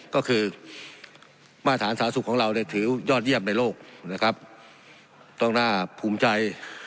ก็คือมาตรฐานสาธารณ์สุขของเราได้ถือยอดเยี่ยมในโรคต้องน่าภูมิใจ